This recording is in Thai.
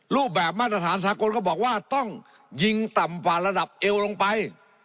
รูปแบบมาตรฐานสากลก็บอกว่าต้องยิงต่ำกว่าระดับเอวลงไป